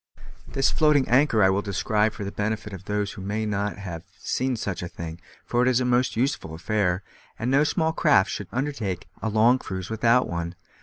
This floating anchor I will describe for the benefit of those who may not have seen such a thing, for it is a most useful affair, and no small craft should undertake a long cruise without one.